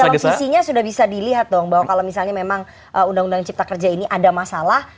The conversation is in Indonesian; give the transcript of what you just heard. tapi kan dalam visinya sudah bisa dilihat dong bahwa kalau misalnya memang undang undang cipta kerja ini ada masalah